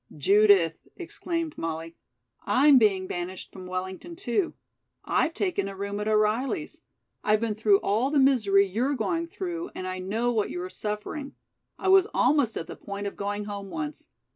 "Judith," exclaimed Molly, "I'm being banished from Wellington, too. I've taken a room at O'Reilly's. I've been through all the misery you're going through, and I know what you are suffering. I was almost at the point of going home once.